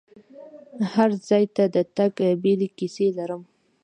هر ځای ته د تګ بیلې کیسې لرم.